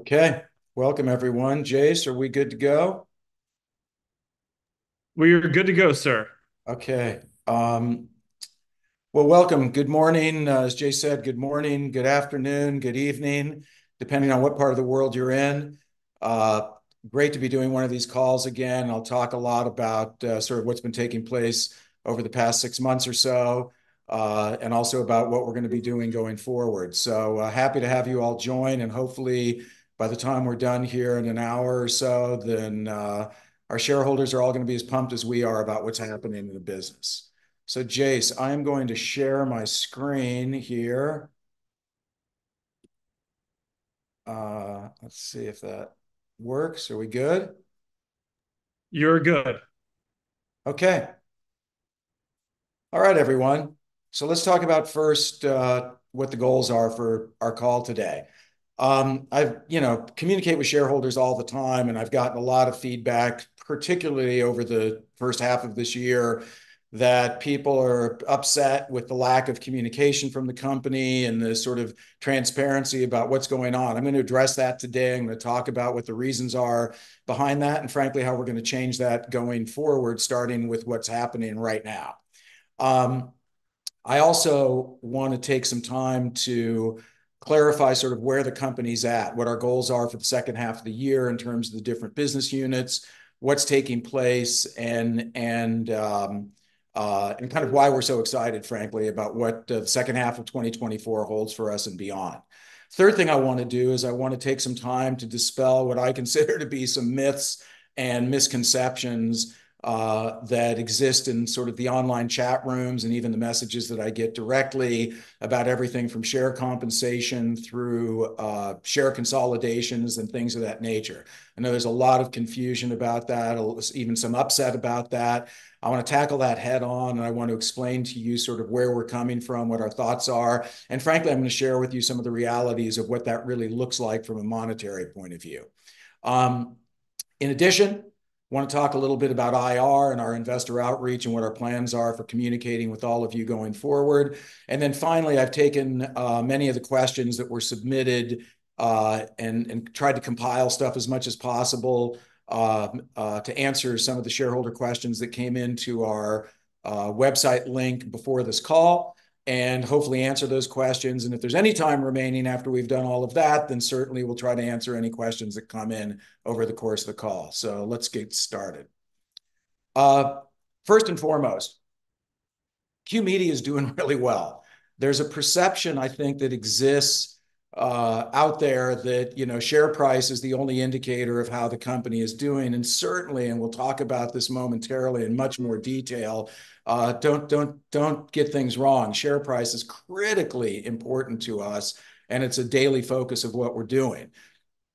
Okay. Welcome, everyone. Jace, are we good to go? We are good to go, sir. Okay. Well, welcome. Good morning. As Jace said, good morning, good afternoon, good evening, depending on what part of the world you're in. Great to be doing one of these calls again. I'll talk a lot about sort of what's been taking place over the past six months or so, and also about what we're going to be doing going forward. So happy to have you all join. And hopefully, by the time we're done here in an hour or so, then our shareholders are all going to be as pumped as we are about what's happening in the business. So Jace, I'm going to share my screen here. Let's see if that works. Are we good? You're good. Okay. All right, everyone. So let's talk about first what the goals are for our call today. I've communicated with shareholders all the time, and I've gotten a lot of feedback, particularly over the first half of this year, that people are upset with the lack of communication from the company and the sort of transparency about what's going on. I'm going to address that today. I'm going to talk about what the reasons are behind that, and frankly, how we're going to change that going forward, starting with what's happening right now. I also want to take some time to clarify sort of where the company's at, what our goals are for the second half of the year in terms of the different business units, what's taking place, and kind of why we're so excited, frankly, about what the second half of 2024 holds for us and beyond. The third thing I want to do is I want to take some time to dispel what I consider to be some myths and misconceptions that exist in sort of the online chat rooms and even the messages that I get directly about everything from share compensation through share consolidations and things of that nature. I know there's a lot of confusion about that, even some upset about that. I want to tackle that head-on, and I want to explain to you sort of where we're coming from, what our thoughts are. Frankly, I'm going to share with you some of the realities of what that really looks like from a monetary point of view. In addition, I want to talk a little bit about IR and our investor outreach and what our plans are for communicating with all of you going forward. And then finally, I've taken many of the questions that were submitted and tried to compile stuff as much as possible to answer some of the shareholder questions that came into our website link before this call, and hopefully answer those questions. And if there's any time remaining after we've done all of that, then certainly we'll try to answer any questions that come in over the course of the call. So let's get started. First and foremost, QYOU Media is doing really well. There's a perception, I think, that exists out there that share price is the only indicator of how the company is doing. And certainly, and we'll talk about this momentarily in much more detail, don't get things wrong. Share price is critically important to us, and it's a daily focus of what we're doing.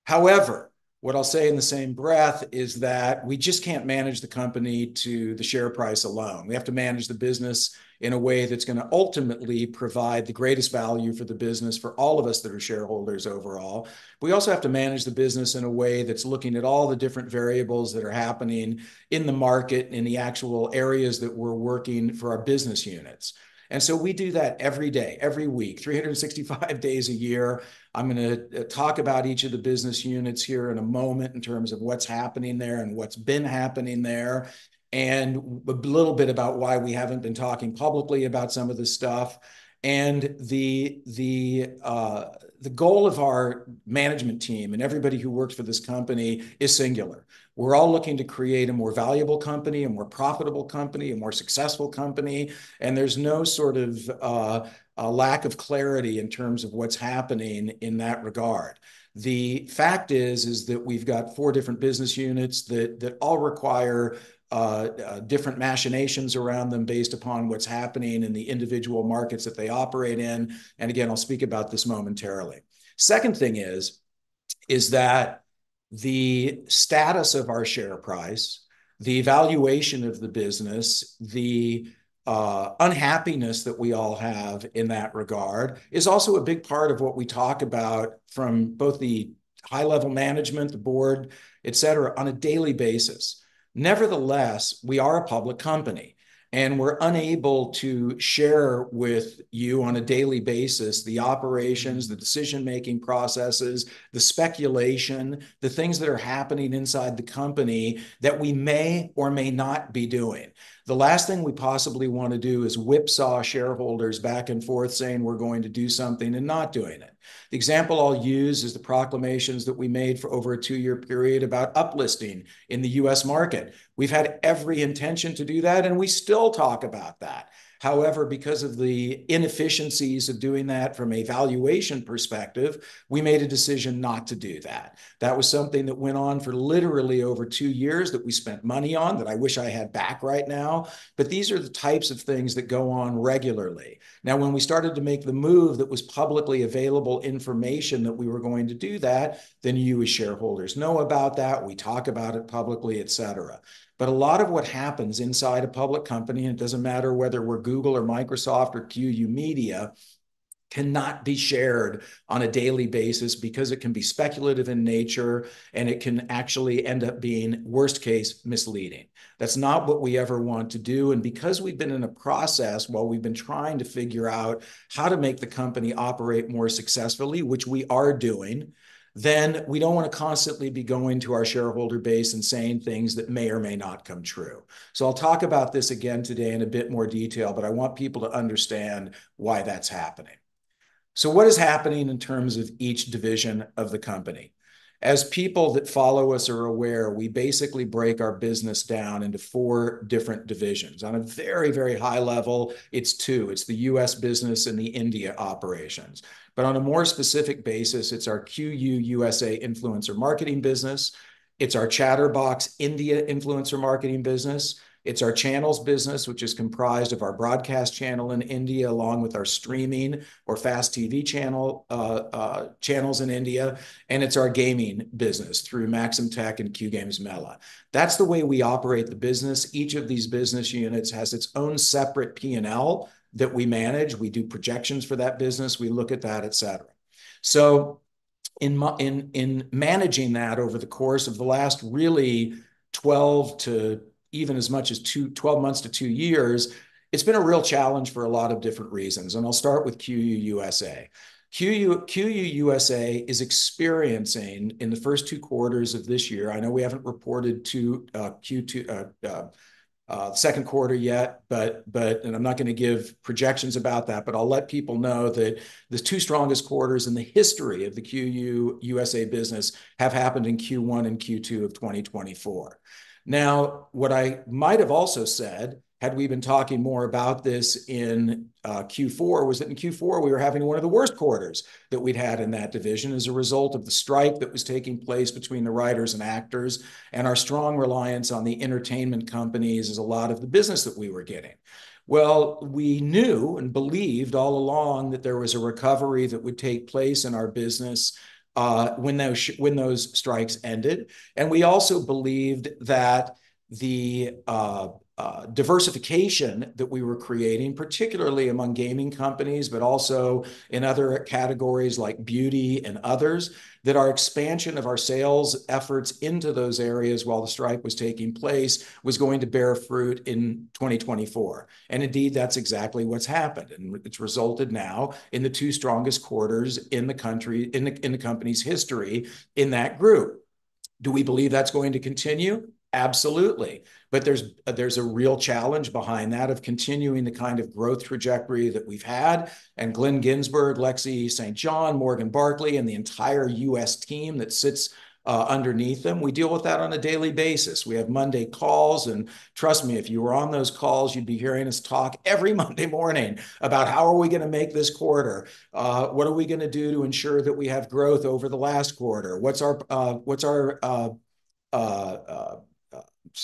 However, what I'll say in the same breath is that we just can't manage the company to the share price alone. We have to manage the business in a way that's going to ultimately provide the greatest value for the business for all of us that are shareholders overall. We also have to manage the business in a way that's looking at all the different variables that are happening in the market, in the actual areas that we're working for our business units. And so we do that every day, every week, 365 days a year. I'm going to talk about each of the business units here in a moment in terms of what's happening there and what's been happening there, and a little bit about why we haven't been talking publicly about some of this stuff. The goal of our management team and everybody who works for this company is singular. We're all looking to create a more valuable company, a more profitable company, a more successful company. There's no sort of lack of clarity in terms of what's happening in that regard. The fact is that we've got four different business units that all require different machinations around them based upon what's happening in the individual markets that they operate in. Again, I'll speak about this momentarily. Second thing is that the status of our share price, the valuation of the business, the unhappiness that we all have in that regard is also a big part of what we talk about from both the high-level management, the board, etc., on a daily basis. Nevertheless, we are a public company, and we're unable to share with you on a daily basis the operations, the decision-making processes, the speculation, the things that are happening inside the company that we may or may not be doing. The last thing we possibly want to do is whipsaw shareholders back and forth saying we're going to do something and not doing it. The example I'll use is the proclamations that we made for over a two-year period about uplisting in the U.S. market. We've had every intention to do that, and we still talk about that. However, because of the inefficiencies of doing that from a valuation perspective, we made a decision not to do that. That was something that went on for literally over two years that we spent money on that I wish I had back right now. But these are the types of things that go on regularly. Now, when we started to make the move that was publicly available information that we were going to do that, then you, as shareholders, know about that. We talk about it publicly, etc. But a lot of what happens inside a public company, and it doesn't matter whether we're Google or Microsoft or QYOU Media, cannot be shared on a daily basis because it can be speculative in nature, and it can actually end up being, worst case, misleading. That's not what we ever want to do. And because we've been in a process while we've been trying to figure out how to make the company operate more successfully, which we are doing, then we don't want to constantly be going to our shareholder base and saying things that may or may not come true. So I'll talk about this again today in a bit more detail, but I want people to understand why that's happening. So what is happening in terms of each division of the company? As people that follow us are aware, we basically break our business down into four different divisions. On a very, very high level, it's two. It's the U.S. business and the India operations. But on a more specific basis, it's our QYOU USA influencer marketing business. It's our Chtrbox India influencer marketing business. It's our channels business, which is comprised of our broadcast channel in India, along with our streaming or FAST TV channels in India. And it's our gaming business through Maxamtech and Q GamesMela. That's the way we operate the business. Each of these business units has its own separate P&L that we manage. We do projections for that business. We look at that, etc. So in managing that over the course of the last really 12 to even as much as 12 months to 2 years, it's been a real challenge for a lot of different reasons. And I'll start with QYOU USA. QYOU USA is experiencing, in the first two quarters of this year—I know we haven't reported Q2, second quarter, yet, and I'm not going to give projections about that—but I'll let people know that the two strongest quarters in the history of the QYOU USA business have happened in Q1 and Q2 of 2024. Now, what I might have also said, had we been talking more about this in Q4, was that in Q4 we were having one of the worst quarters that we'd had in that division as a result of the strike that was taking place between the writers and actors and our strong reliance on the entertainment companies as a lot of the business that we were getting. Well, we knew and believed all along that there was a recovery that would take place in our business when those strikes ended. We also believed that the diversification that we were creating, particularly among gaming companies, but also in other categories like beauty and others, that our expansion of our sales efforts into those areas while the strike was taking place was going to bear fruit in 2024. Indeed, that's exactly what's happened. And it's resulted now in the two strongest quarters in the company's history in that group. Do we believe that's going to continue? Absolutely. But there's a real challenge behind that of continuing the kind of growth trajectory that we've had. And Glenn Ginsburg, Lexi St. John, Morgan Barclay, and the entire U.S. team that sits underneath them, we deal with that on a daily basis. We have Monday calls. And trust me, if you were on those calls, you'd be hearing us talk every Monday morning about how are we going to make this quarter? What are we going to do to ensure that we have growth over the last quarter? What's our—sorry,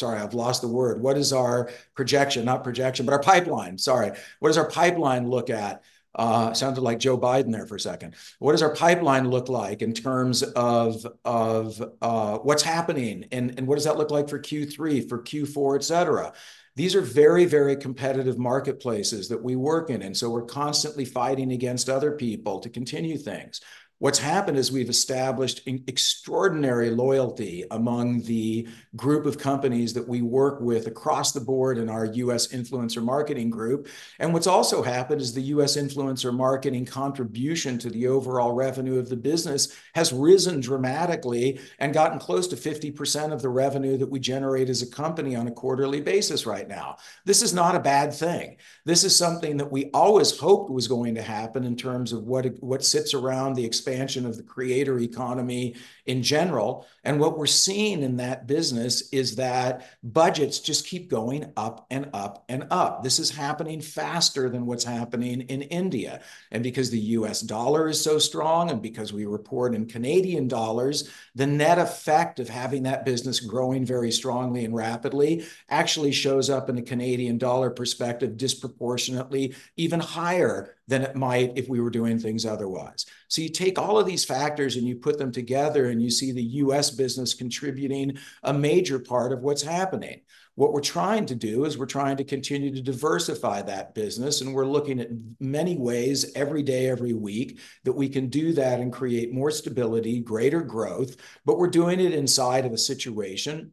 I've lost the word. What is our projection? Not projection, but our pipeline. Sorry. What does our pipeline look at? Sounded like Joe Biden there for a second. What does our pipeline look like in terms of what's happening? What does that look like for Q3, for Q4, etc.? These are very, very competitive marketplaces that we work in. So we're constantly fighting against other people to continue things. What's happened is we've established extraordinary loyalty among the group of companies that we work with across the board in our U.S. influencer marketing group. What's also happened is the U.S. influencer marketing contribution to the overall revenue of the business has risen dramatically and gotten close to 50% of the revenue that we generate as a company on a quarterly basis right now. This is not a bad thing. This is something that we always hoped was going to happen in terms of what sits around the expansion of the creator economy in general. What we're seeing in that business is that budgets just keep going up and up and up. This is happening faster than what's happening in India. And because the U.S. dollar is so strong and because we report in Canadian dollars, the net effect of having that business growing very strongly and rapidly actually shows up in the Canadian dollar perspective disproportionately even higher than it might if we were doing things otherwise. You take all of these factors and you put them together, and you see the U.S. business contributing a major part of what's happening. What we're trying to do is we're trying to continue to diversify that business. We're looking at many ways every day, every week that we can do that and create more stability, greater growth. But we're doing it inside of a situation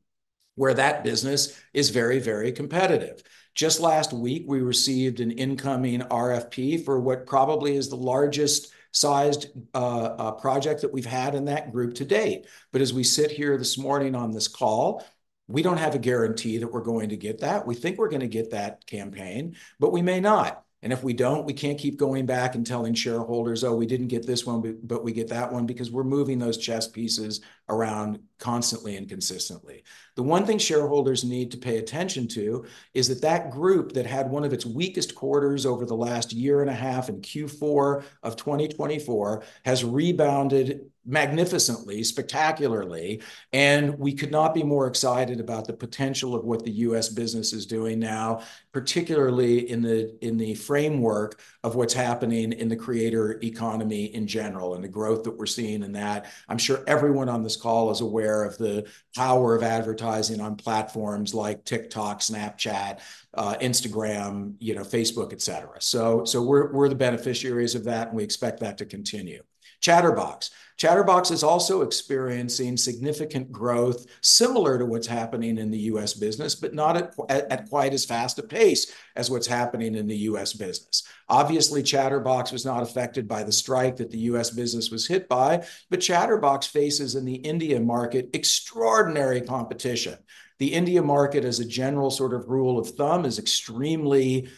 where that business is very, very competitive. Just last week, we received an incoming RFP for what probably is the largest-sized project that we've had in that group to date. But as we sit here this morning on this call, we don't have a guarantee that we're going to get that. We think we're going to get that campaign, but we may not. And if we don't, we can't keep going back and telling shareholders, "Oh, we didn't get this one, but we get that one," because we're moving those chess pieces around constantly and consistently. The one thing shareholders need to pay attention to is that that group that had one of its weakest quarters over the last year and a half in Q4 of 2024 has rebounded magnificently, spectacularly. We could not be more excited about the potential of what the U.S. business is doing now, particularly in the framework of what's happening in the creator economy in general and the growth that we're seeing in that. I'm sure everyone on this call is aware of the power of advertising on platforms like TikTok, Snapchat, Instagram, Facebook, etc. So we're the beneficiaries of that, and we expect that to continue. Chtrbox. Chtrbox is also experiencing significant growth similar to what's happening in the US business, but not at quite as fast a pace as what's happening in the U.S. business. Obviously, Chtrbox was not affected by the strike that the U.S. business was hit by, but Chtrbox faces in the India market extraordinary competition. The India market, as a general sort of rule of thumb, is extremely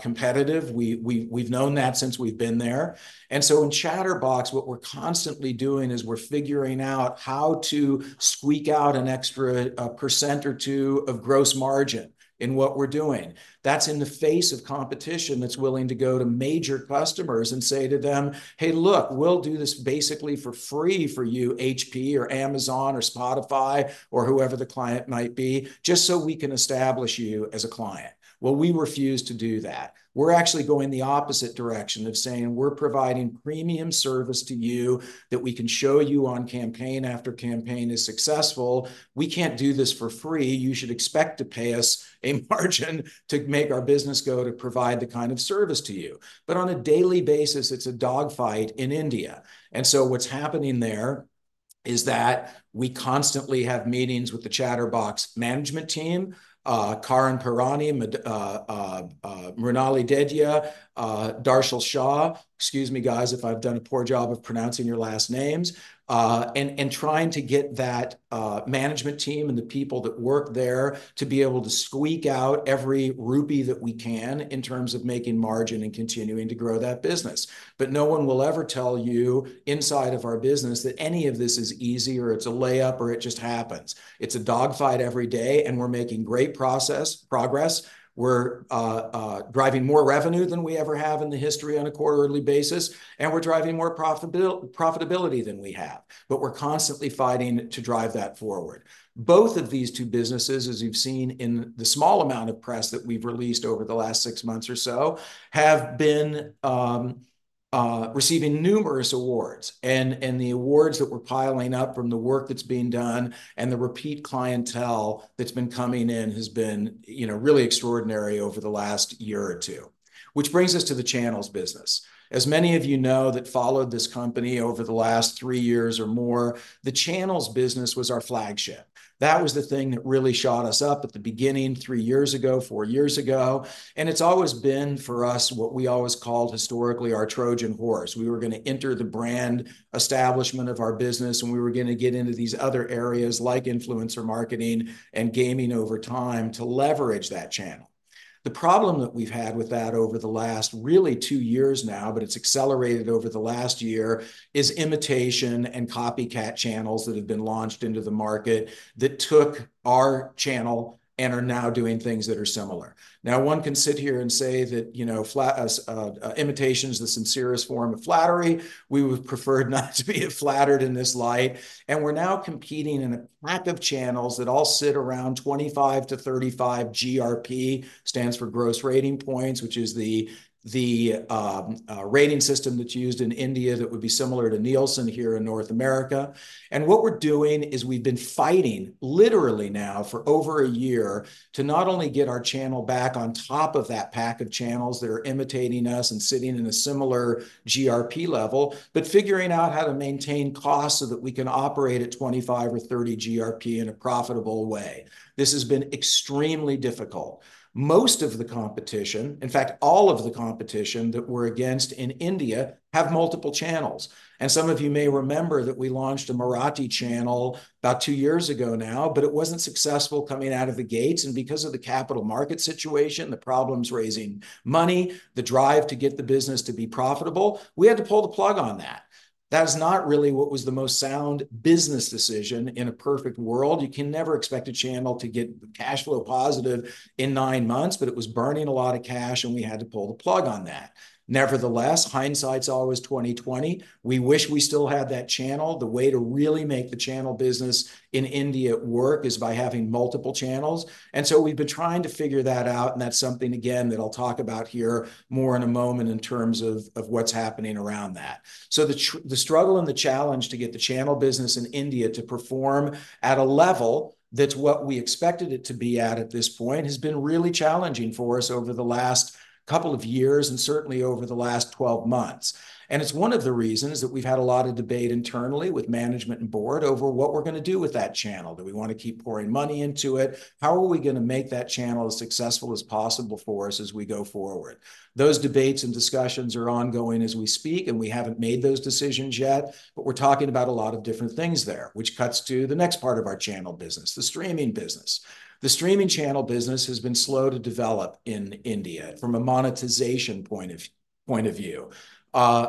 competitive. We've known that since we've been there. In Chtrbox, what we're constantly doing is we're figuring out how to squeak out an extra 1% or 2% of gross margin in what we're doing. That's in the face of competition that's willing to go to major customers and say to them, "Hey, look, we'll do this basically for free for you, HP or Amazon or Spotify or whoever the client might be, just so we can establish you as a client." Well, we refuse to do that. We're actually going the opposite direction of saying we're providing premium service to you that we can show you on campaign after campaign is successful. We can't do this for free. You should expect to pay us a margin to make our business go to provide the kind of service to you. But on a daily basis, it's a dogfight in India. So what's happening there is that we constantly have meetings with the Chtrbox management team, Karan Pherwani, Mrinal Dediya, Darshil Shah. Excuse me, guys, if I've done a poor job of pronouncing your last names, and trying to get that management team and the people that work there to be able to squeak out every rupee that we can in terms of making margin and continuing to grow that business. But no one will ever tell you inside of our business that any of this is easy or it's a layup or it just happens. It's a dogfight every day, and we're making great progress. We're driving more revenue than we ever have in the history on a quarterly basis, and we're driving more profitability than we have. But we're constantly fighting to drive that forward. Both of these two businesses, as you've seen in the small amount of press that we've released over the last six months or so, have been receiving numerous awards. And the awards that we're piling up from the work that's being done and the repeat clientele that's been coming in has been really extraordinary over the last year or two. Which brings us to the channels business. As many of you know that followed this company over the last three years or more, the channels business was our flagship. That was the thing that really shot us up at the beginning three years ago, four years ago. And it's always been for us what we always called historically our Trojan horse. We were going to enter the brand establishment of our business, and we were going to get into these other areas like influencer marketing and gaming over time to leverage that channel. The problem that we've had with that over the last really two years now, but it's accelerated over the last year, is imitation and copycat channels that have been launched into the market that took our channel and are now doing things that are similar. Now, one can sit here and say that imitation is the sincerest form of flattery. We would prefer not to be flattered in this light. We're now competing in a pack of channels that all sit around 25–35 GRP, stands for gross rating points, which is the rating system that's used in India that would be similar to Nielsen here in North America. What we're doing is we've been fighting literally now for over a year to not only get our channel back on top of that pack of channels that are imitating us and sitting in a similar GRP level, but figuring out how to maintain costs so that we can operate at 25 or 30 GRP in a profitable way. This has been extremely difficult. Most of the competition, in fact, all of the competition that we're against in India have multiple channels. Some of you may remember that we launched a Marathi Channel about two years ago now, but it wasn't successful coming out of the gates. Because of the capital market situation, the problems raising money, the drive to get the business to be profitable, we had to pull the plug on that. That is not really what was the most sound business decision in a perfect world. You can never expect a channel to get cash flow positive in nine months, but it was burning a lot of cash, and we had to pull the plug on that. Nevertheless, hindsight's always 20/20. We wish we still had that channel. The way to really make the channel business in India work is by having multiple channels. And so we've been trying to figure that out. And that's something, again, that I'll talk about here more in a moment in terms of what's happening around that. So the struggle and the challenge to get the channel business in India to perform at a level that's what we expected it to be at at this point has been really challenging for us over the last couple of years and certainly over the last 12 months. It's one of the reasons that we've had a lot of debate internally with management and board over what we're going to do with that channel. Do we want to keep pouring money into it? How are we going to make that channel as successful as possible for us as we go forward? Those debates and discussions are ongoing as we speak, and we haven't made those decisions yet. We're talking about a lot of different things there, which cuts to the next part of our channel business, the streaming business. The streaming channel business has been slow to develop in India from a monetization point of view.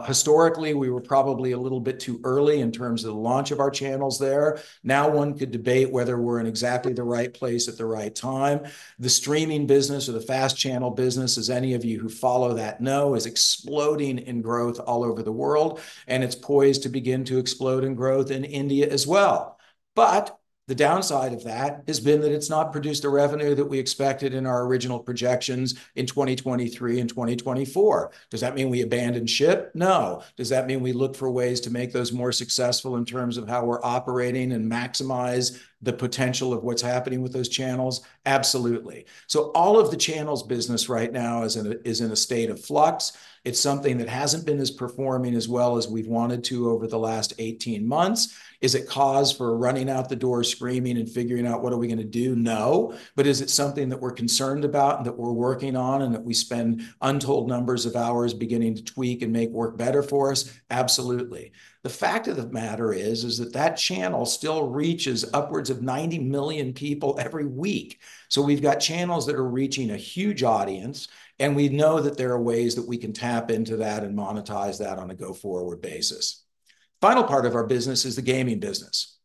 Historically, we were probably a little bit too early in terms of the launch of our channels there. Now, one could debate whether we're in exactly the right place at the right time. The streaming business or the FAST channel business, as any of you who follow that know, is exploding in growth all over the world. It's poised to begin to explode in growth in India as well. The downside of that has been that it's not produced the revenue that we expected in our original projections in 2023 and 2024. Does that mean we abandoned ship? No. Does that mean we look for ways to make those more successful in terms of how we're operating and maximize the potential of what's happening with those channels? Absolutely. All of the channels business right now is in a state of flux. It's something that hasn't been as performing as well as we've wanted to over the last 18 months. Is it cause for running out the door screaming and figuring out what are we going to do? No. But is it something that we're concerned about and that we're working on and that we spend untold numbers of hours beginning to tweak and make work better for us? Absolutely. The fact of the matter is that that channel still reaches upwards of 90 million people every week. So we've got channels that are reaching a huge audience, and we know that there are ways that we can tap into that and monetize that on a go-forward basis. Final part of our business is the gaming business.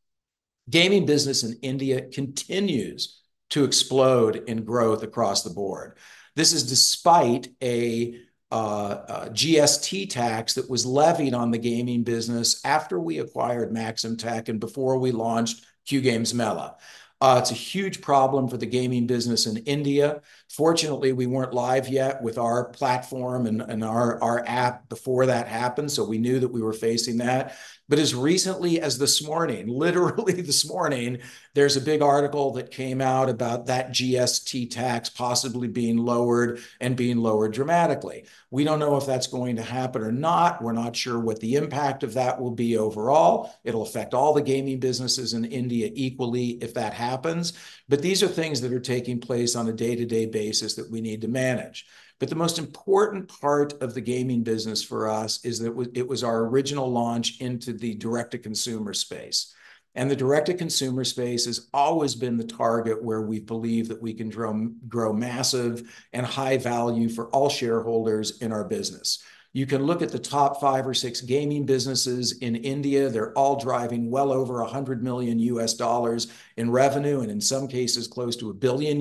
Gaming business in India continues to explode in growth across the board. This is despite a GST tax that was levied on the gaming business after we acquired Maxamtech and before we launched Q GamesMela. It's a huge problem for the gaming business in India. Fortunately, we weren't live yet with our platform and our app before that happened, so we knew that we were facing that. But as recently as this morning, literally this morning, there's a big article that came out about that GST tax possibly being lowered and being lowered dramatically. We don't know if that's going to happen or not. We're not sure what the impact of that will be overall. It'll affect all the gaming businesses in India equally if that happens. But these are things that are taking place on a day-to-day basis that we need to manage. But the most important part of the gaming business for us is that it was our original launch into the direct-to-consumer space. And the direct-to-consumer space has always been the target where we believe that we can grow massive and high value for all shareholders in our business. You can look at the top five or six gaming businesses in India. They're all driving well over $100 million in revenue and in some cases close to $1 billion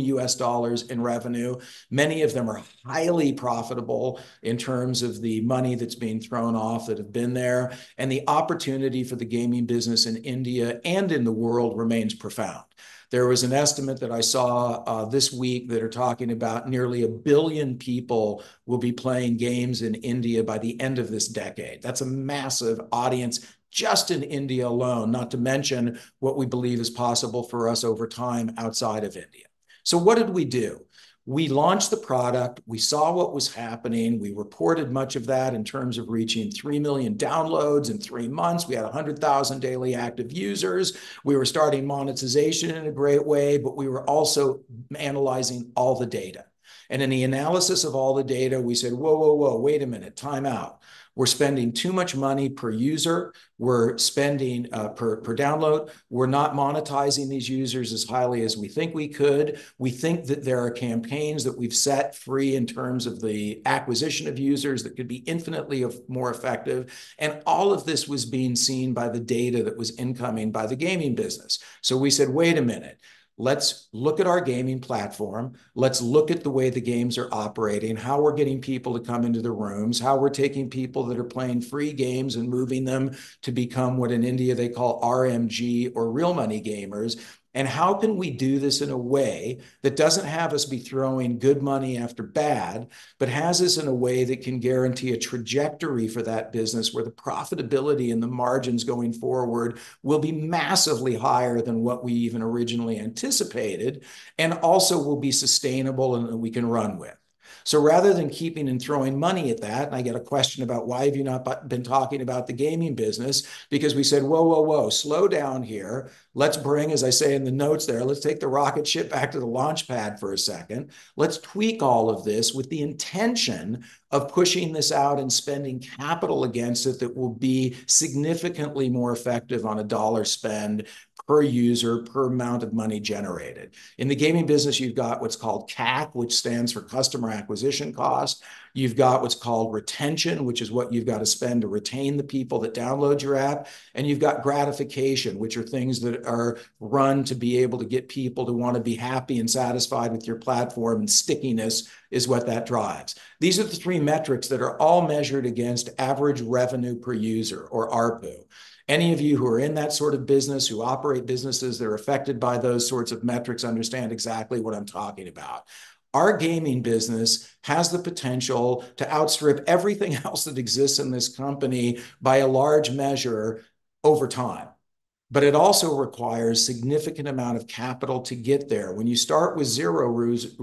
in revenue. Many of them are highly profitable in terms of the money that's being thrown off that have been there. And the opportunity for the gaming business in India and in the world remains profound. There was an estimate that I saw this week that are talking about nearly 1 billion people will be playing games in India by the end of this decade. That's a massive audience just in India alone, not to mention what we believe is possible for us over time outside of India. So what did we do? We launched the product. We saw what was happening. We reported much of that in terms of reaching 3 million downloads in three months. We had 100,000 daily active users. We were starting monetization in a great way, but we were also analyzing all the data. And in the analysis of all the data, we said, "Whoa, whoa, whoa, wait a minute, time out. We're spending too much money per user. We're spending per download. We're not monetizing these users as highly as we think we could. We think that there are campaigns that we've set free in terms of the acquisition of users that could be infinitely more effective." And all of this was being seen by the data that was incoming by the gaming business. So we said, "Wait a minute. Let's look at our gaming platform. Let's look at the way the games are operating, how we're getting people to come into the rooms, how we're taking people that are playing free games and moving them to become what in India they call RMG or real money gamers. And how can we do this in a way that doesn't have us be throwing good money after bad, but has us in a way that can guarantee a trajectory for that business where the profitability and the margins going forward will be massively higher than what we even originally anticipated and also will be sustainable and that we can run with? So rather than keeping and throwing money at that, and I get a question about why have you not been talking about the gaming business, because we said, "Whoa, whoa, whoa, slow down here. Let's bring, as I say in the notes there, let's take the rocket ship back to the launch pad for a second. Let's tweak all of this with the intention of pushing this out and spending capital against it that will be significantly more effective on a dollar spend per user, per amount of money generated. In the gaming business, you've got what's called CAC, which stands for customer acquisition cost. You've got what's called retention, which is what you've got to spend to retain the people that download your app. And you've got gratification, which are things that are run to be able to get people to want to be happy and satisfied with your platform, and stickiness is what that drives. These are the three metrics that are all measured against average revenue per user or ARPU. Any of you who are in that sort of business, who operate businesses that are affected by those sorts of metrics, understand exactly what I'm talking about. Our gaming business has the potential to outstrip everything else that exists in this company by a large measure over time. It also requires a significant amount of capital to get there. When you start with zero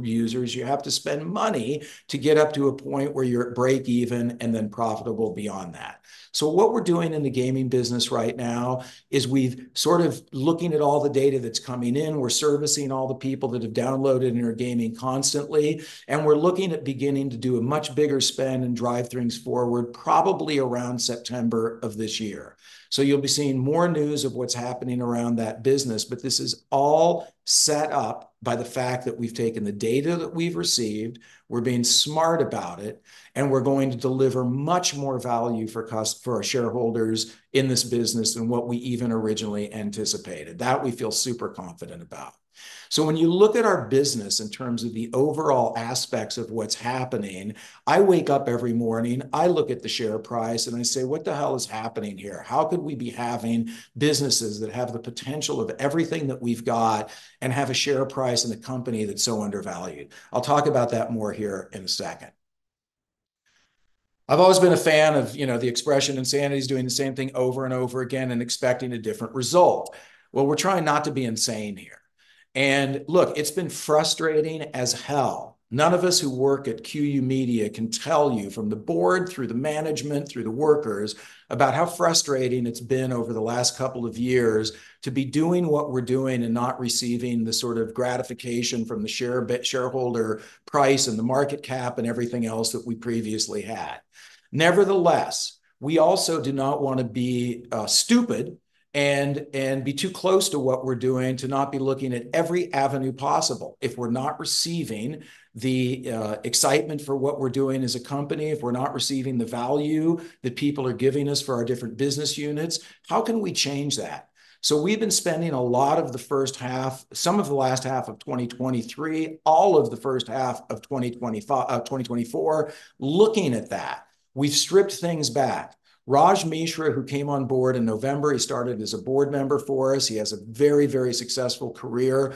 users, you have to spend money to get up to a point where you're at break even and then profitable beyond that. What we're doing in the gaming business right now is we've sort of looking at all the data that's coming in. We're servicing all the people that have downloaded and are gaming constantly. We're looking at beginning to do a much bigger spend and drive things forward probably around September of this year. So you'll be seeing more news of what's happening around that business. But this is all set up by the fact that we've taken the data that we've received, we're being smart about it, and we're going to deliver much more value for our shareholders in this business than what we even originally anticipated. That we feel super confident about. So when you look at our business in terms of the overall aspects of what's happening, I wake up every morning, I look at the share price, and I say, "What the hell is happening here? How could we be having businesses that have the potential of everything that we've got and have a share price in a company that's so undervalued?" I'll talk about that more here in a second. I've always been a fan of the expression, "Insanity is doing the same thing over and over again and expecting a different result." Well, we're trying not to be insane here. Look, it's been frustrating as hell. None of us who work at QYOU Media can tell you from the board, through the management, through the workers about how frustrating it's been over the last couple of years to be doing what we're doing and not receiving the sort of gratification from the shareholder price and the market cap and everything else that we previously had. Nevertheless, we also do not want to be stupid and be too close to what we're doing to not be looking at every avenue possible. If we're not receiving the excitement for what we're doing as a company, if we're not receiving the value that people are giving us for our different business units, how can we change that? So we've been spending a lot of the first half, some of the last half of 2023, all of the first half of 2024 looking at that. We've stripped things back. Raj Mishra, who came on board in November, he started as a board member for us. He has a very, very successful career.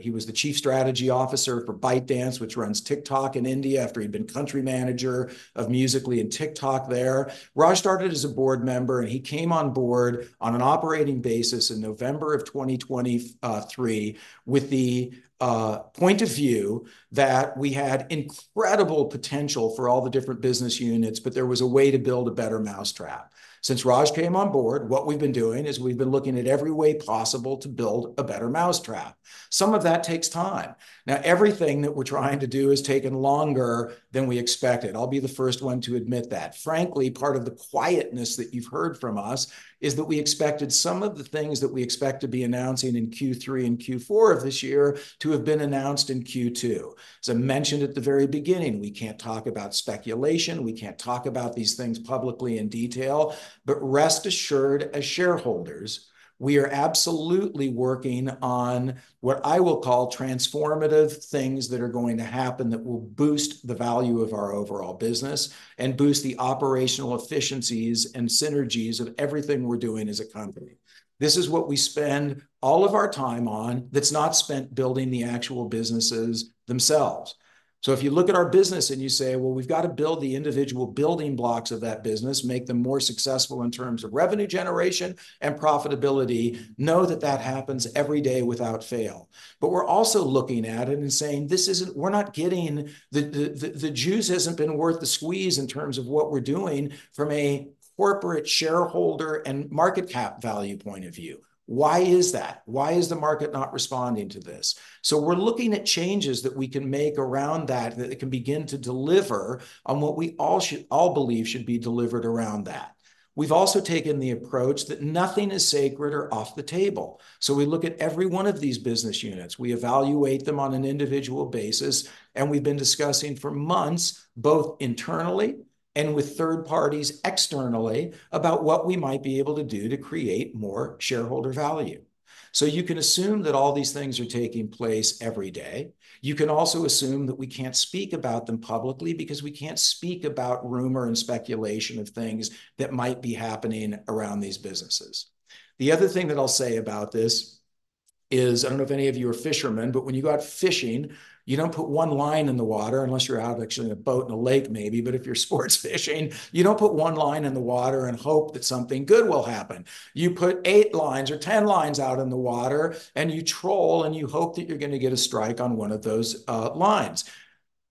He was the chief strategy officer for ByteDance, which runs TikTok in India after he'd been country manager of Musical.ly and TikTok there. Raj started as a board member, and he came on board on an operating basis in November of 2023 with the point of view that we had incredible potential for all the different business units, but there was a way to build a better mousetrap. Since Raj came on board, what we've been doing is we've been looking at every way possible to build a better mousetrap. Some of that takes time. Now, everything that we're trying to do has taken longer than we expected. I'll be the first one to admit that. Frankly, part of the quietness that you've heard from us is that we expected some of the things that we expect to be announcing in Q3 and Q4 of this year to have been announced in Q2. As I mentioned at the very beginning, we can't talk about speculation. We can't talk about these things publicly in detail. But rest assured, as shareholders, we are absolutely working on what I will call transformative things that are going to happen that will boost the value of our overall business and boost the operational efficiencies and synergies of everything we're doing as a company. This is what we spend all of our time on that's not spent building the actual businesses themselves. So if you look at our business and you say, "Well, we've got to build the individual building blocks of that business, make them more successful in terms of revenue generation and profitability," know that that happens every day without fail. But we're also looking at it and saying, "We're not getting the juice hasn't been worth the squeeze in terms of what we're doing from a corporate shareholder and market cap value point of view. Why is that? Why is the market not responding to this?" So we're looking at changes that we can make around that that can begin to deliver on what we all believe should be delivered around that. We've also taken the approach that nothing is sacred or off the table. So we look at every one of these business units. We evaluate them on an individual basis. And we've been discussing for months, both internally and with third parties externally, about what we might be able to do to create more shareholder value. So you can assume that all these things are taking place every day. You can also assume that we can't speak about them publicly because we can't speak about rumor and speculation of things that might be happening around these businesses. The other thing that I'll say about this is, I don't know if any of you are fishermen, but when you go out fishing, you don't put one line in the water unless you're out actually in a boat in a lake, maybe. But if you're sports fishing, you don't put one line in the water and hope that something good will happen. You put eight lines or 10 lines out in the water, and you troll, and you hope that you're going to get a strike on one of those lines.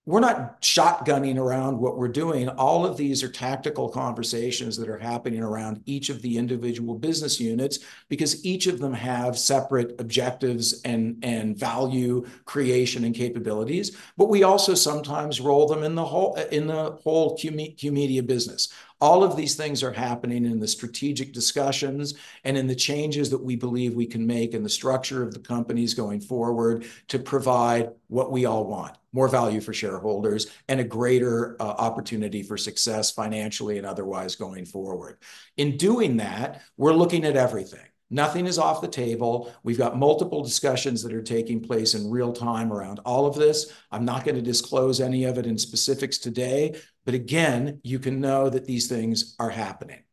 We're not shotgunning around what we're doing. All of these are tactical conversations that are happening around each of the individual business units because each of them have separate objectives and value creation and capabilities. But we also sometimes roll them in the whole QYOU Media business. All of these things are happening in the strategic discussions and in the changes that we believe we can make in the structure of the companies going forward to provide what we all want: more value for shareholders and a greater opportunity for success financially and otherwise going forward. In doing that, we're looking at everything. Nothing is off the table. We've got multiple discussions that are taking place in real time around all of this. I'm not going to disclose any of it in specifics today. But again, you can know that these things are happening.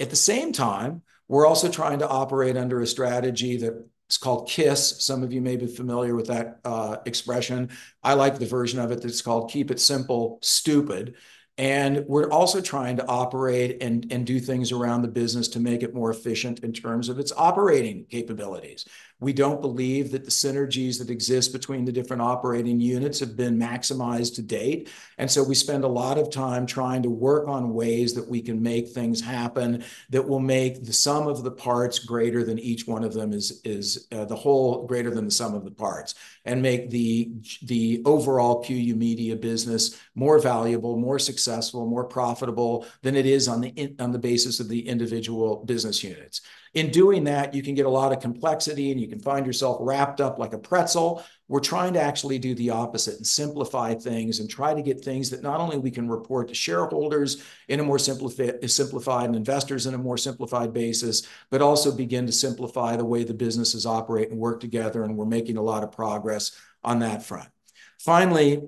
At the same time, we're also trying to operate under a strategy that's called KISS. Some of you may be familiar with that expression. I like the version of it that's called Keep It Simple, Stupid. We're also trying to operate and do things around the business to make it more efficient in terms of its operating capabilities. We don't believe that the synergies that exist between the different operating units have been maximized to date. So we spend a lot of time trying to work on ways that we can make things happen that will make the sum of the parts greater than each one of them is the whole greater than the sum of the parts and make the overall QYOU Media business more valuable, more successful, more profitable than it is on the basis of the individual business units. In doing that, you can get a lot of complexity, and you can find yourself wrapped up like a pretzel. We're trying to actually do the opposite and simplify things and try to get things that not only we can report to shareholders in a more simplified and investors in a more simplified basis, but also begin to simplify the way the businesses operate and work together. We're making a lot of progress on that front. Finally,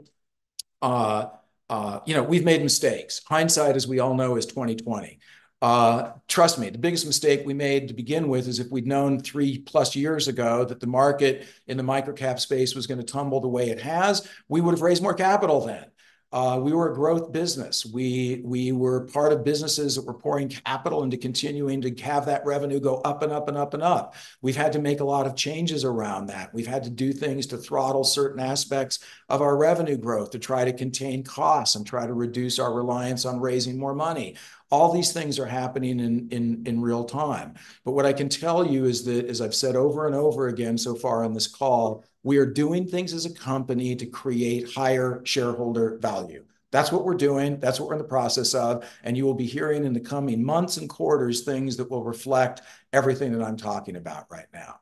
we've made mistakes. Hindsight, as we all know, is 2020. Trust me, the biggest mistake we made to begin with is if we'd known three plus years ago that the market in the microcap space was going to tumble the way it has, we would have raised more capital then. We were a growth business. We were part of businesses that were pouring capital into continuing to have that revenue go up and up and up and up. We've had to make a lot of changes around that. We've had to do things to throttle certain aspects of our revenue growth to try to contain costs and try to reduce our reliance on raising more money. All these things are happening in real time. But what I can tell you is that, as I've said over and over again so far on this call, we are doing things as a company to create higher shareholder value. That's what we're doing. That's what we're in the process of. And you will be hearing in the coming months and quarters things that will reflect everything that I'm talking about right now.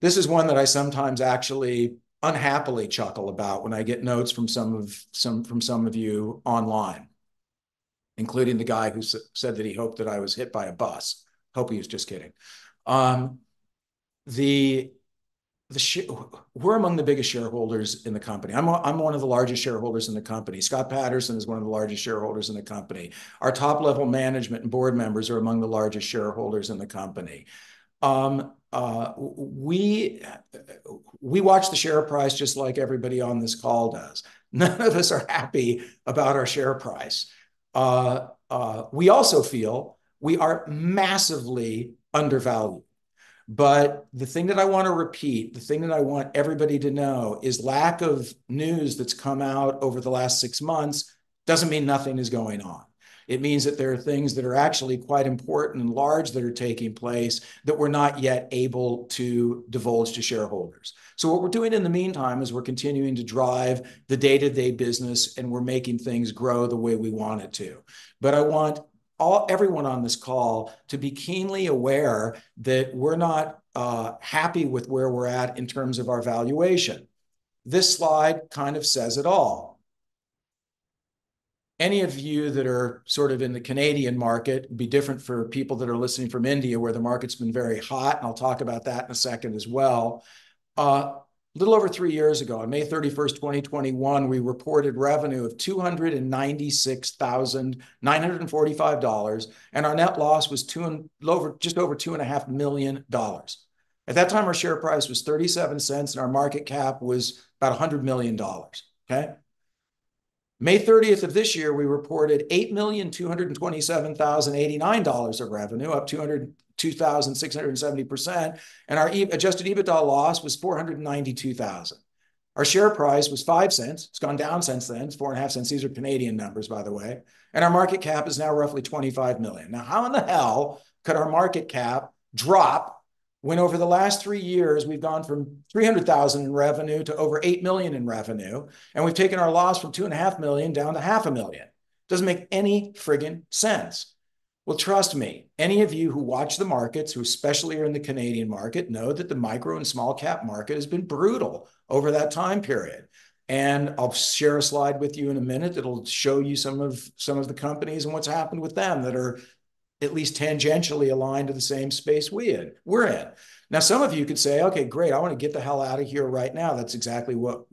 This is one that I sometimes actually unhappily chuckle about when I get notes from some of you online, including the guy who said that he hoped that I was hit by a bus. Hope he was just kidding. We're among the biggest shareholders in the company. I'm one of the largest shareholders in the company. Scott Paterson is one of the largest shareholders in the company. Our top-level management and board members are among the largest shareholders in the company. We watch the share price just like everybody on this call does. None of us are happy about our share price. We also feel we are massively undervalued. But the thing that I want to repeat, the thing that I want everybody to know is lack of news that's come out over the last six months doesn't mean nothing is going on. It means that there are things that are actually quite important and large that are taking place that we're not yet able to divulge to shareholders. So what we're doing in the meantime is we're continuing to drive the day-to-day business, and we're making things grow the way we want it to. But I want everyone on this call to be keenly aware that we're not happy with where we're at in terms of our valuation. This slide kind of says it all. Any of you that are sort of in the Canadian market would be different for people that are listening from India where the market's been very hot. And I'll talk about that in a second as well. A little over three years ago, on May 31st, 2021, we reported revenue of 296,945 dollars, and our net loss was just over 2.5 million dollars. At that time, our share price was 0.37, and our market cap was about 100 million dollars. Okay? May 30th of this year, we reported 8,227,089 dollars of revenue, up 2,670%, and our Adjusted EBITDA loss was 492,000. Our share price was 0.05. It's gone down since then, 0.04. These are Canadian numbers, by the way. Our market cap is now roughly 25 million. Now, how in the hell could our market cap drop when over the last three years we've gone from 300,000 in revenue to over 8 million in revenue, and we've taken our loss from 2.5 million down to 500,000? Doesn't make any friggin' sense. Well, trust me, any of you who watch the markets, who especially are in the Canadian market, know that the micro and small cap market has been brutal over that time period. And I'll share a slide with you in a minute that'll show you some of the companies and what's happened with them that are at least tangentially aligned to the same space we're in. Now, some of you could say, "Okay, great. I want to get the hell out of here right now." That's exactly what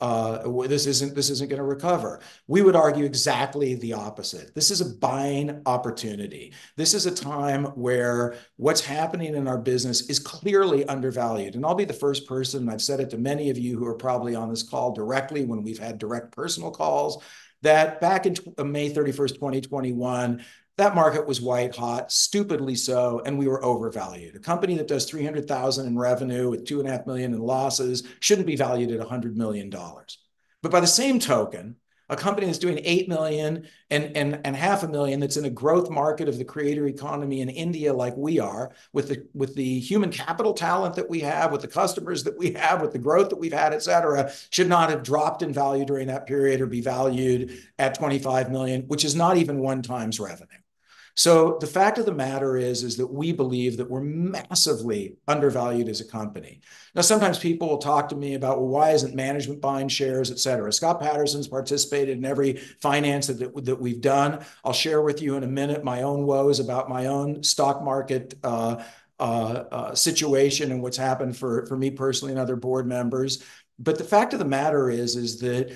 this isn't going to recover. We would argue exactly the opposite. This is a buying opportunity. This is a time where what's happening in our business is clearly undervalued. And I'll be the first person, and I've said it to many of you who are probably on this call directly when we've had direct personal calls, that back on May 31st, 2021, that market was white hot, stupidly so, and we were overvalued. A company that does $300,000 in revenue with $2.5 million in losses shouldn't be valued at $100 million. But by the same token, a company that's doing $8 million and $500,000 that's in a growth market of the creator economy in India like we are, with the human capital talent that we have, with the customers that we have, with the growth that we've had, etc., should not have dropped in value during that period or be valued at $25 million, which is not even one time's revenue. So the fact of the matter is that we believe that we're massively undervalued as a company. Now, sometimes people will talk to me about, "Well, why isn't management buying shares, etc.?" Scott Paterson's participated in every finance that we've done. I'll share with you in a minute my own woes about my own stock market situation and what's happened for me personally and other board members. But the fact of the matter is that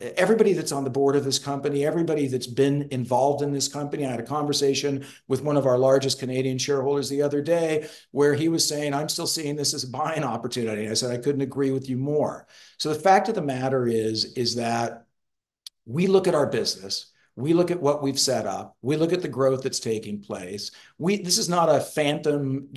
everybody that's on the board of this company, everybody that's been involved in this company, I had a conversation with one of our largest Canadian shareholders the other day where he was saying, "I'm still seeing this as a buying opportunity." I said, "I couldn't agree with you more." So the fact of the matter is that we look at our business. We look at what we've set up. We look at the growth that's taking place. This is not a phantom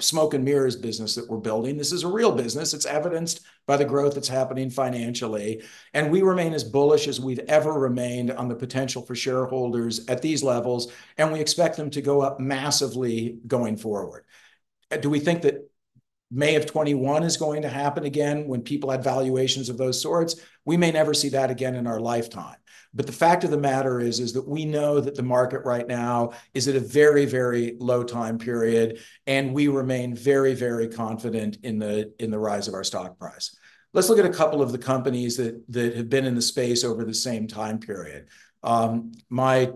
smoke and mirrors business that we're building. This is a real business. It's evidenced by the growth that's happening financially. And we remain as bullish as we've ever remained on the potential for shareholders at these levels. And we expect them to go up massively going forward. Do we think that May of 2021 is going to happen again when people had valuations of those sorts? We may never see that again in our lifetime. But the fact of the matter is that we know that the market right now is at a very, very low time period, and we remain very, very confident in the rise of our stock price. Let's look at a couple of the companies that have been in the space over the same time period. My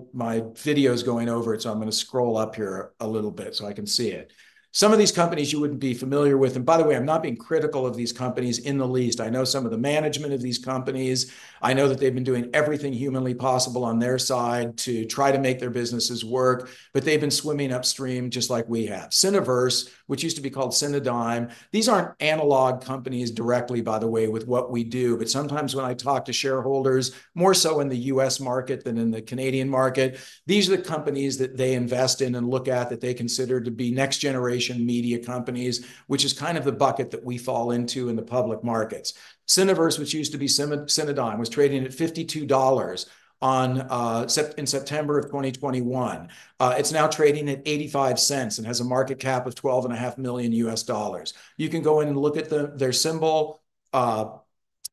video is going over, so I'm going to scroll up here a little bit so I can see it. Some of these companies you wouldn't be familiar with. And by the way, I'm not being critical of these companies in the least. I know some of the management of these companies. I know that they've been doing everything humanly possible on their side to try to make their businesses work, but they've been swimming upstream just like we have. Cineverse, which used to be called Cinedigm, these aren't analog companies directly, by the way, with what we do. But sometimes when I talk to shareholders, more so in the U.S. market than in the Canadian market, these are the companies that they invest in and look at that they consider to be next-generation media companies, which is kind of the bucket that we fall into in the public markets. Cineverse, which used to be Cinedigm, was trading at $52 in September of 2021. It's now trading at $0.85 and has a market cap of $12.5 million. You can go in and look at their symbol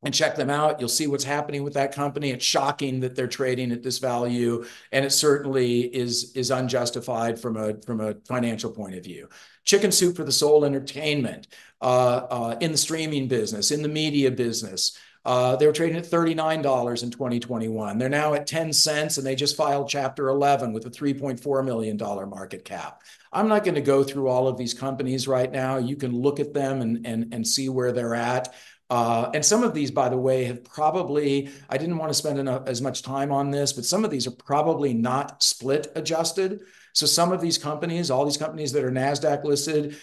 and check them out. You'll see what's happening with that company. It's shocking that they're trading at this value, and it certainly is unjustified from a financial point of view. Chicken Soup for the Soul Entertainment in the streaming business, in the media business, they were trading at $39 in 2021. They're now at $0.10, and they just filed Chapter 11 with a $3.4 million market cap. I'm not going to go through all of these companies right now. You can look at them and see where they're at. And some of these, by the way, have probably, I didn't want to spend as much time on this, but some of these are probably not split adjusted. So some of these companies, all these companies that are NASDAQ-listed,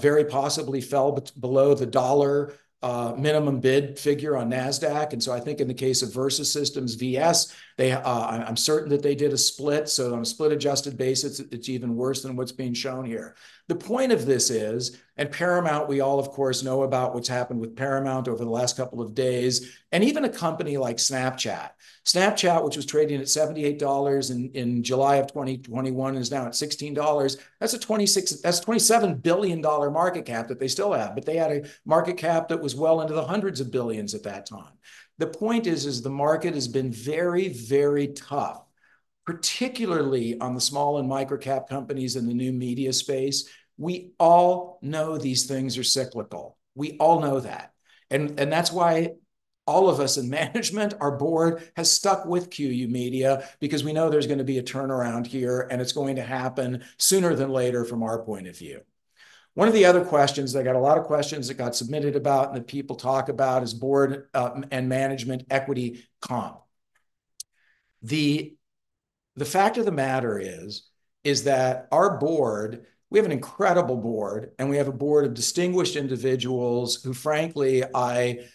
very possibly fell below the dollar minimum bid figure on NASDAQ. And so I think in the case of Versus Systems VS, I'm certain that they did a split. So on a split-adjusted basis, it's even worse than what's being shown here. The point of this is, and Paramount, we all, of course, know about what's happened with Paramount over the last couple of days, and even a company like Snapchat. Snapchat, which was trading at $78 in July of 2021, is now at $16. That's a $27 billion market cap that they still have, but they had a market cap that was well into the hundreds of billions at that time. The point is, the market has been very, very tough, particularly on the small and microcap companies in the new media space. We all know these things are cyclical. We all know that. That's why all of us in management, our board, has stuck with QYOU Media because we know there's going to be a turnaround here, and it's going to happen sooner than later from our point of view. One of the other questions—I got a lot of questions that got submitted about and that people talk about—is board and management equity comp. The fact of the matter is that our board—we have an incredible board, and we have a board of distinguished individuals who, frankly, I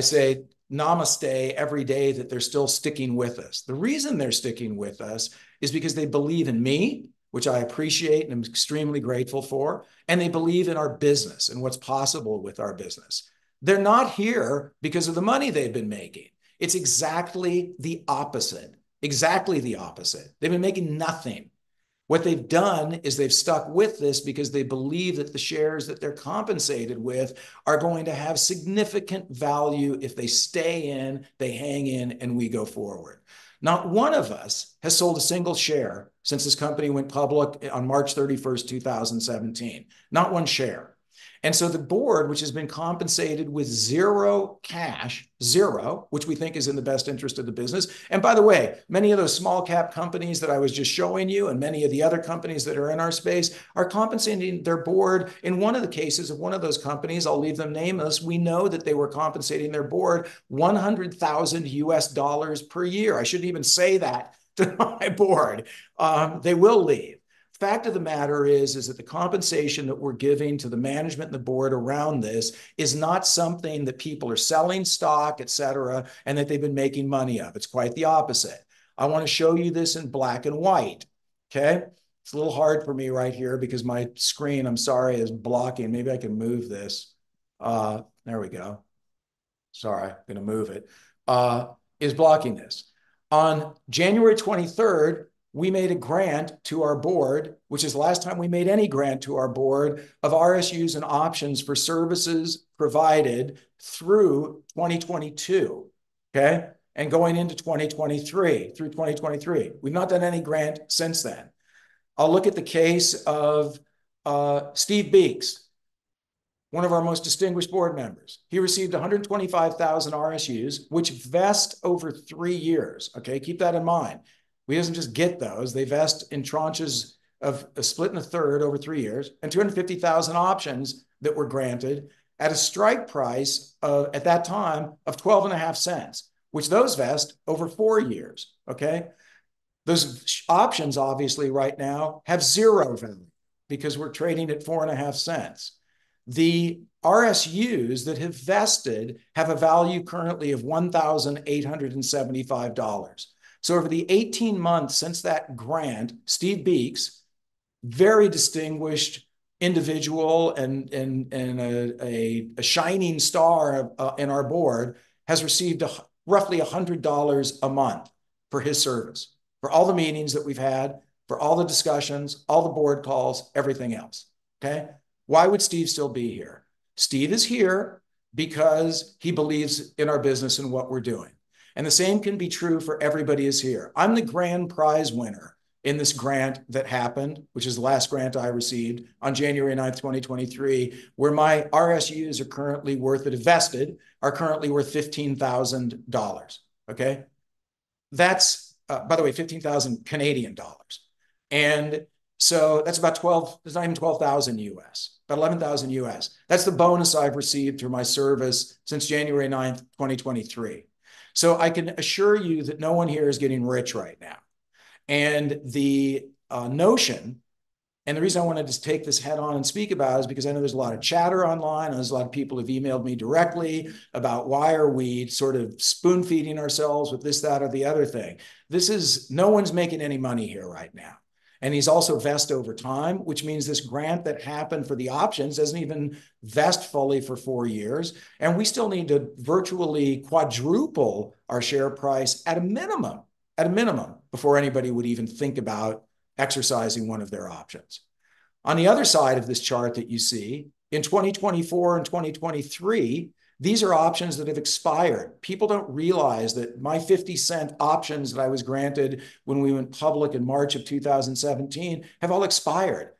say namaste every day that they're still sticking with us. The reason they're sticking with us is because they believe in me, which I appreciate and am extremely grateful for, and they believe in our business and what's possible with our business. They're not here because of the money they've been making. It's exactly the opposite. Exactly the opposite. They've been making nothing. What they've done is they've stuck with this because they believe that the shares that they're compensated with are going to have significant value if they stay in, they hang in, and we go forward. Not one of us has sold a single share since this company went public on March 31st, 2017. Not one share. And so the board, which has been compensated with zero cash, zero, which we think is in the best interest of the business. And by the way, many of those small-cap companies that I was just showing you and many of the other companies that are in our space are compensating their board. In one of the cases of one of those companies, I'll leave them nameless, we know that they were compensating their board $100,000 per year. I shouldn't even say that to my board. They will leave. Fact of the matter is that the compensation that we're giving to the management and the board around this is not something that people are selling stock, etc., and that they've been making money of. It's quite the opposite. I want to show you this in black and white. Okay? It's a little hard for me right here because my screen, I'm sorry, is blocking. Maybe I can move this. There we go. Sorry, I'm going to move it. Is blocking this. On January 23rd, we made a grant to our board, which is the last time we made any grant to our board, of RSUs and options for services provided through 2022, okay, and going into 2023, through 2023. We've not done any grant since then. I'll look at the case of Steve Beeks, one of our most distinguished board members. He received 125,000 RSUs, which vest over three years. Okay? Keep that in mind. We didn't just get those. They vest in tranches of a split and a third over three years and 250,000 options that were granted at a strike price at that time of $12.5, which those vest over four years. Okay? Those options, obviously, right now have zero value because we're trading at $0.25. The RSUs that have vested have a value currently of $1,875. So over the 18 months since that grant, Steve Beeks, very distinguished individual and a shining star in our board, has received roughly $100 a month for his service, for all the meetings that we've had, for all the discussions, all the board calls, everything else. Okay? Why would Steve still be here? Steve is here because he believes in our business and what we're doing. The same can be true for everybody who's here. I'm the grand prize winner in this grant that happened, which is the last grant I received on January 9th, 2023, where my RSUs are currently worth that have vested are currently worth 15,000 dollars. Okay? That's, by the way, 15,000 Canadian dollars. So that's about 12, it's not even $12,000, about $11,000. That's the bonus I've received through my service since January 9th, 2023. I can assure you that no one here is getting rich right now. The notion, and the reason I want to just take this head-on and speak about it is because I know there's a lot of chatter online, and there's a lot of people who've emailed me directly about why are we sort of spoon-feeding ourselves with this, that, or the other thing. This is no one's making any money here right now. And he's also vested over time, which means this grant that happened for the options doesn't even vest fully for four years. And we still need to virtually quadruple our share price at a minimum, at a minimum, before anybody would even think about exercising one of their options. On the other side of this chart that you see, in 2024 and 2023, these are options that have expired. People don't realize that my $0.50 options that I was granted when we went public in March of 2017 have all expired.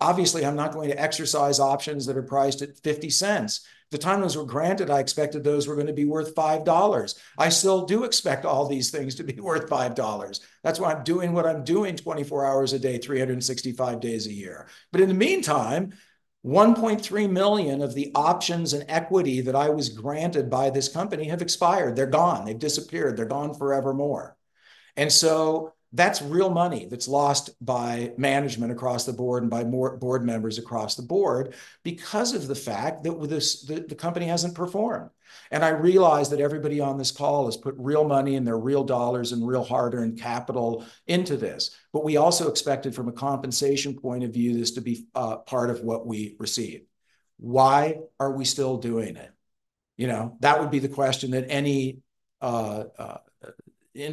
Obviously, I'm not going to exercise options that are priced at $0.50. The time those were granted, I expected those were going to be worth $5. I still do expect all these things to be worth $5. That's why I'm doing what I'm doing 24 hours a day, 365 days a year. But in the meantime, 1.3 million of the options and equity that I was granted by this company have expired. They're gone. They've disappeared. They're gone forevermore. And so that's real money that's lost by management across the board and by board members across the board because of the fact that the company hasn't performed. And I realize that everybody on this call has put real money and their real dollars and real hard-earned capital into this. But we also expected from a compensation point of view this to be part of what we receive. Why are we still doing it? That would be the question that any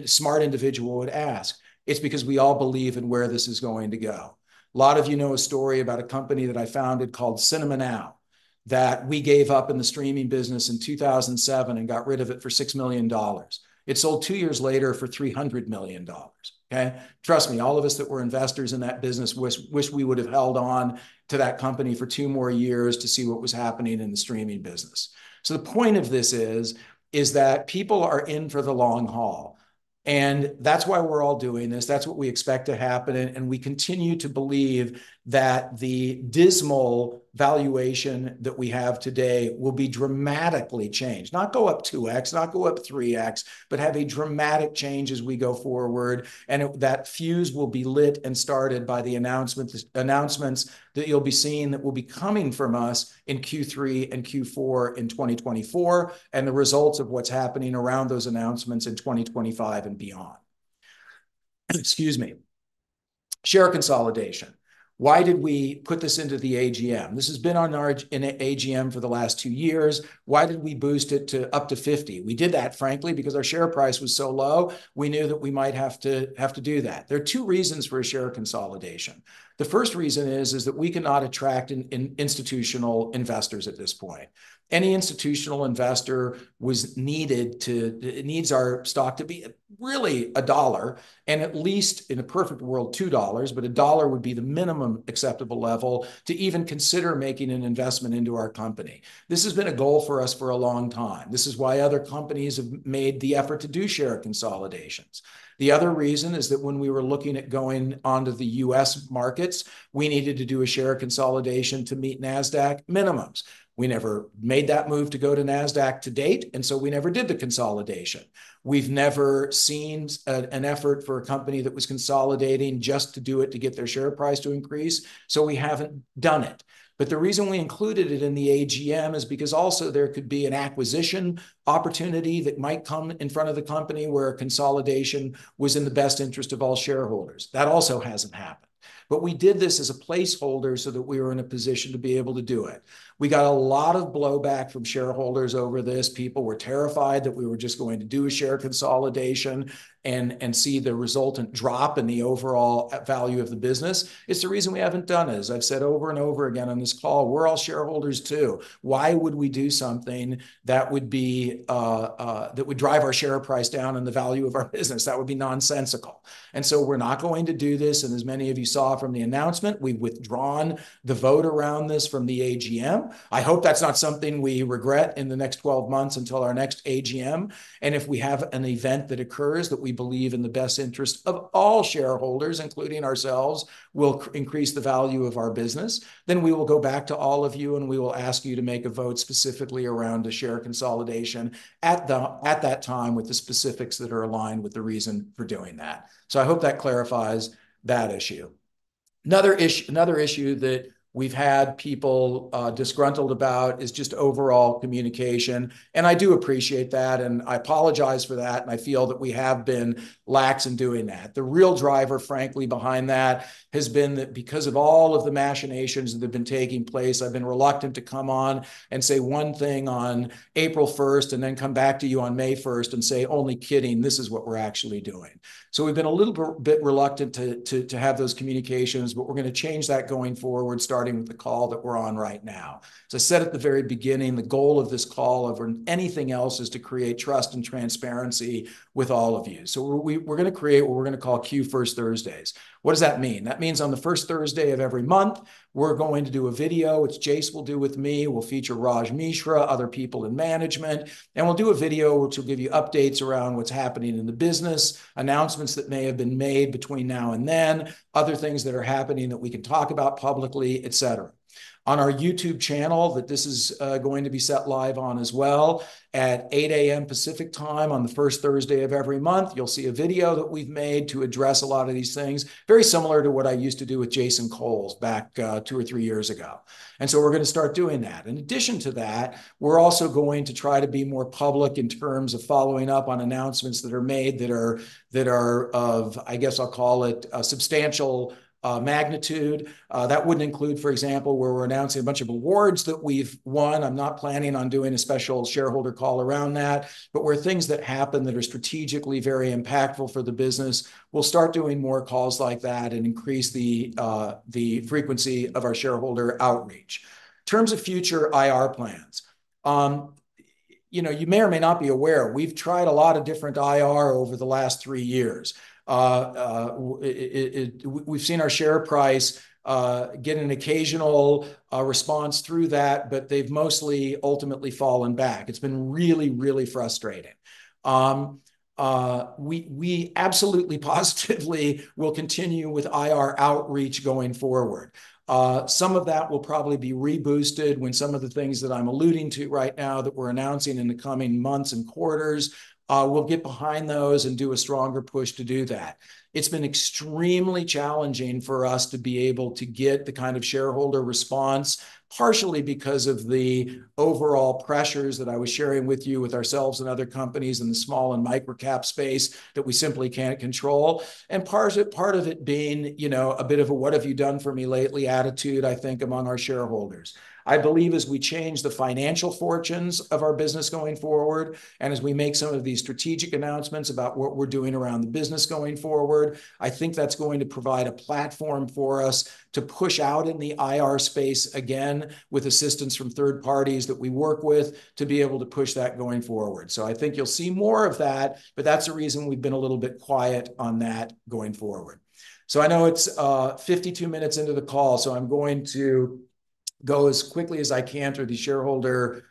smart individual would ask. It's because we all believe in where this is going to go. A lot of you know a story about a company that I founded called CinemaNow that we gave up in the streaming business in 2007 and got rid of it for $6 million. It sold two years later for $300 million. Okay? Trust me, all of us that were investors in that business wish we would have held on to that company for two more years to see what was happening in the streaming business. The point of this is that people are in for the long haul. That's why we're all doing this. That's what we expect to happen. We continue to believe that the dismal valuation that we have today will be dramatically changed. Not go up 2x, not go up 3x, but have a dramatic change as we go forward. And that fuse will be lit and started by the announcements that you'll be seeing that will be coming from us in Q3 and Q4 in 2024 and the results of what's happening around those announcements in 2025 and beyond. Excuse me. Share consolidation. Why did we put this into the AGM? This has been on our AGM for the last two years. Why did we boost it up to 50? We did that, frankly, because our share price was so low, we knew that we might have to do that. There are two reasons for share consolidation. The first reason is that we cannot attract institutional investors at this point. Any institutional investor needs our stock to be really $1, and at least in a perfect world, $2, but $1 would be the minimum acceptable level to even consider making an investment into our company. This has been a goal for us for a long time. This is why other companies have made the effort to do share consolidations. The other reason is that when we were looking at going onto the U.S. markets, we needed to do a share consolidation to meet NASDAQ minimums. We never made that move to go to NASDAQ to date, and so we never did the consolidation. We've never seen an effort for a company that was consolidating just to do it to get their share price to increase. So we haven't done it. But the reason we included it in the AGM is because also there could be an acquisition opportunity that might come in front of the company where a consolidation was in the best interest of all shareholders. That also hasn't happened. But we did this as a placeholder so that we were in a position to be able to do it. We got a lot of blowback from shareholders over this. People were terrified that we were just going to do a share consolidation and see the resultant drop in the overall value of the business. It's the reason we haven't done it. As I've said over and over again on this call, we're all shareholders too. Why would we do something that would drive our share price down and the value of our business? That would be nonsensical. And so we're not going to do this. And as many of you saw from the announcement, we've withdrawn the vote around this from the AGM. I hope that's not something we regret in the next 12 months until our next AGM. If we have an event that occurs that we believe in the best interest of all shareholders, including ourselves, will increase the value of our business, then we will go back to all of you and we will ask you to make a vote specifically around the share consolidation at that time with the specifics that are aligned with the reason for doing that. So I hope that clarifies that issue. Another issue that we've had people disgruntled about is just overall communication. I do appreciate that, and I apologize for that, and I feel that we have been lax in doing that. The real driver, frankly, behind that has been that because of all of the machinations that have been taking place, I've been reluctant to come on and say one thing on April 1st and then come back to you on May 1st and say, "Only kidding, this is what we're actually doing." So we've been a little bit reluctant to have those communications, but we're going to change that going forward, starting with the call that we're on right now. As I said at the very beginning, the goal of this call over anything else is to create trust and transparency with all of you. So we're going to create what we're going to call Q1 Thursdays. What does that mean? That means on the first Thursday of every month, we're going to do a video. It's Jace will do with me. We'll feature Raj Mishra, other people in management. We'll do a video which will give you updates around what's happening in the business, announcements that may have been made between now and then, other things that are happening that we can talk about publicly, etc. On our YouTube channel that this is going to be set live on as well at 8:00 A.M. Pacific Time on the first Thursday of every month, you'll see a video that we've made to address a lot of these things, very similar to what I used to do with Jason Cole back two or three years ago. So we're going to start doing that. In addition to that, we're also going to try to be more public in terms of following up on announcements that are made that are of, I guess I'll call it, substantial magnitude. That wouldn't include, for example, where we're announcing a bunch of awards that we've won. I'm not planning on doing a special shareholder call around that, but where things that happen that are strategically very impactful for the business, we'll start doing more calls like that and increase the frequency of our shareholder outreach. In terms of future IR plans, you may or may not be aware, we've tried a lot of different IR over the last three years. We've seen our share price get an occasional response through that, but they've mostly ultimately fallen back. It's been really, really frustrating. We absolutely positively will continue with IR outreach going forward. Some of that will probably be reboosted when some of the things that I'm alluding to right now that we're announcing in the coming months and quarters, we'll get behind those and do a stronger push to do that. It's been extremely challenging for us to be able to get the kind of shareholder response, partially because of the overall pressures that I was sharing with you with ourselves and other companies in the small and microcap space that we simply can't control, and part of it being a bit of a, "What have you done for me lately?" attitude, I think, among our shareholders. I believe as we change the financial fortunes of our business going forward, and as we make some of these strategic announcements about what we're doing around the business going forward, I think that's going to provide a platform for us to push out in the IR space again with assistance from third parties that we work with to be able to push that going forward. So I think you'll see more of that, but that's the reason we've been a little bit quiet on that going forward. I know it's 52 minutes into the call, so I'm going to go as quickly as I can through the shareholder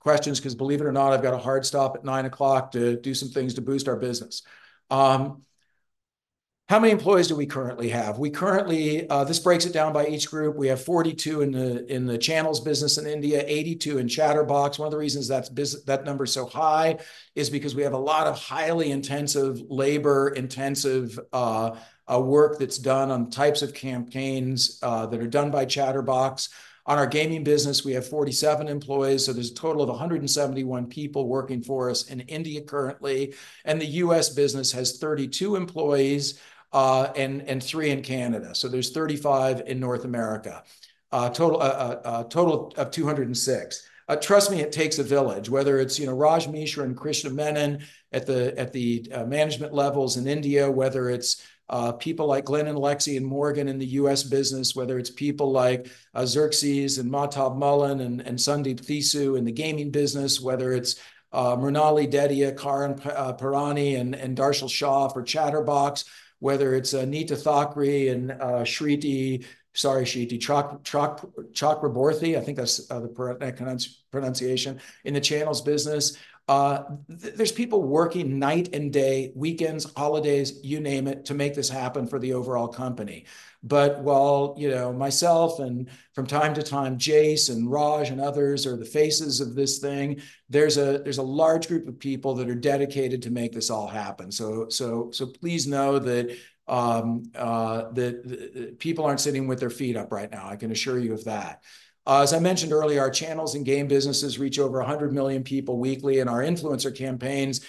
questions because believe it or not, I've got a hard stop at 9:00 P.M. to do some things to boost our business. How many employees do we currently have? This breaks it down by each group. We have 42 in the channels business in India, 82 in Chtrbox. One of the reasons that number is so high is because we have a lot of highly intensive labor-intensive work that's done on types of campaigns that are done by Chtrbox. On our gaming business, we have 47 employees, so there's a total of 171 people working for us in India currently. And the U.S. business has 32 employees and 3 in Canada. So there's 35 in North America. Total of 206. Trust me, it takes a village. Whether it's Raj Mishra and Krishna Menon at the management levels in India, whether it's people like Glenn and Lexi and Morgan in the U.S. business, whether it's people like Xerxes and Mahtab Mullan and Sundeep Thusu in the gaming business, whether it's Mrinal Dediya, Karan Pirani and Darshal Shah for Chtrbox, whether it's Anita Thakri and Shriti, sorry, Shriti Chakraborty, I think that's the pronunciation in the channels business. There's people working night and day, weekends, holidays, you name it, to make this happen for the overall company. But while myself and from time to time, Jace and Raj and others are the faces of this thing, there's a large group of people that are dedicated to make this all happen. So please know that people aren't sitting with their feet up right now. I can assure you of that. As I mentioned earlier, our channels and game businesses reach over 100 million people weekly, and our influencer campaigns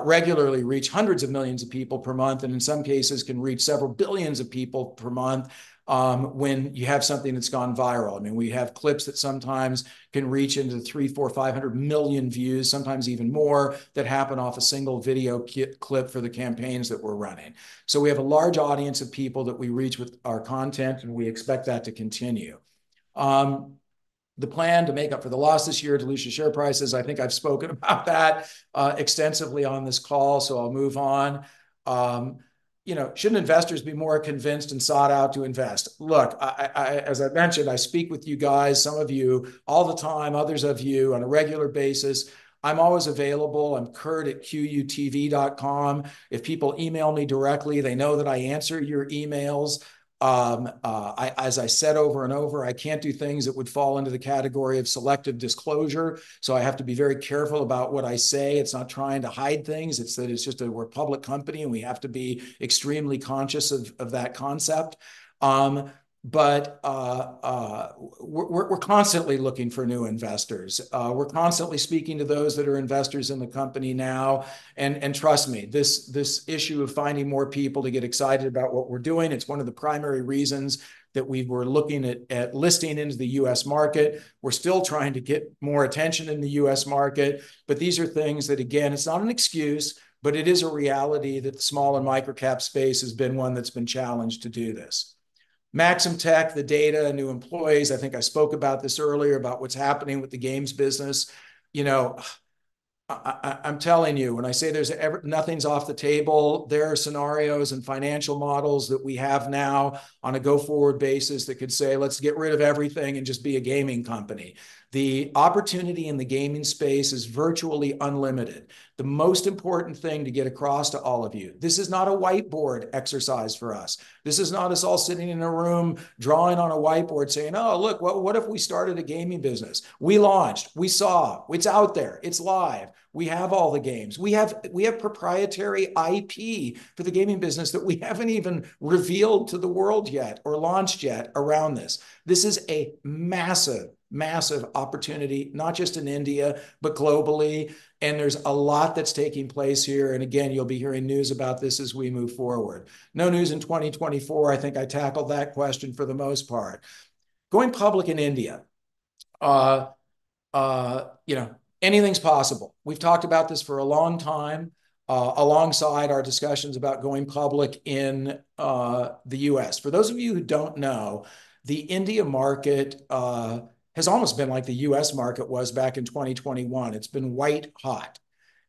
regularly reach hundreds of millions of people per month, and in some cases, can reach several billions of people per month when you have something that's gone viral. I mean, we have clips that sometimes can reach into 300, 400, 500 million views, sometimes even more, that happen off a single video clip for the campaigns that we're running. So we have a large audience of people that we reach with our content, and we expect that to continue. The plan to make up for the loss this year to lose your share prices, I think I've spoken about that extensively on this call, so I'll move on. Shouldn't investors be more convinced and sought out to invest? Look, as I mentioned, I speak with you guys, some of you, all the time, others of you on a regular basis. I'm always available. I'm Curt@QYOU.com. If people email me directly, they know that I answer your emails. As I said over and over, I can't do things that would fall under the category of selective disclosure, so I have to be very careful about what I say. It's not trying to hide things. It's that it's just a public company, and we have to be extremely conscious of that concept. But we're constantly looking for new investors. We're constantly speaking to those that are investors in the company now. And trust me, this issue of finding more people to get excited about what we're doing, it's one of the primary reasons that we were looking at listing into the U.S. market. We're still trying to get more attention in the U.S. market, but these are things that, again, it's not an excuse, but it is a reality that the small and microcap space has been one that's been challenged to do this. Maxamtech, the data, new employees, I think I spoke about this earlier about what's happening with the games business. I'm telling you, when I say there's nothing's off the table, there are scenarios and financial models that we have now on a go-forward basis that could say, "Let's get rid of everything and just be a gaming company." The opportunity in the gaming space is virtually unlimited. The most important thing to get across to all of you, this is not a whiteboard exercise for us. This is not us all sitting in a room drawing on a whiteboard saying, "Oh, look, what if we started a gaming business?" We launched, we saw, it's out there, it's live. We have all the games. We have proprietary IP for the gaming business that we haven't even revealed to the world yet or launched yet around this. This is a massive, massive opportunity, not just in India, but globally, and there's a lot that's taking place here. And again, you'll be hearing news about this as we move forward. No news in 2024. I think I tackled that question for the most part. Going public in India, anything's possible. We've talked about this for a long time alongside our discussions about going public in the U.S. For those of you who don't know, the India market has almost been like the U.S. market was back in 2021. It's been white hot